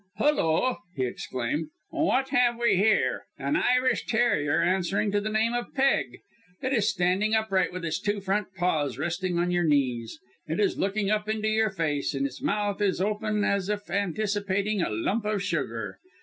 "Hulloa!" he exclaimed. "What have we here an Irish terrier answering to the name of 'Peg.' It is standing upright with its two front paws resting on your knees. It is looking up into your face, and its mouth is open as if anticipating a lump of sugar.